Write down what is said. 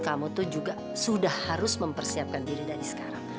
kamu tuh juga sudah harus mempersiapkan diri dari sekarang